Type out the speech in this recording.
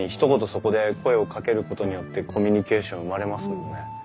そこで声をかけることによってコミュニケーション生まれますもんね。